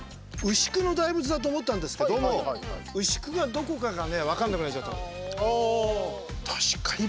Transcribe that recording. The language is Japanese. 牛久の大仏だと思ったんですけども牛久がどこかがね分からなくなっちゃった。